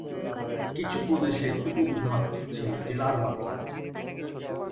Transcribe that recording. কিছু প্রদেশে উপ-বিভাগ ছিল "জেলা"র মাধ্যমে।